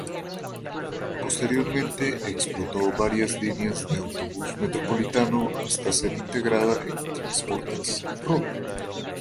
Posteriormente explotó varias líneas de autobús metropolitano, hasta ser integrada en Transportes Rober.